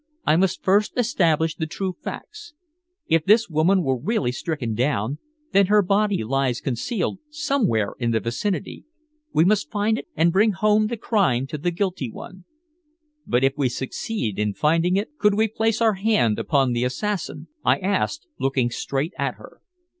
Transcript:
I must first establish the true facts. If this woman were really stricken down, then her body lies concealed somewhere in the vicinity. We must find it and bring home the crime to the guilty one." "But if we succeed in finding it, could we place our hand upon the assassin?" I asked, looking straight at her.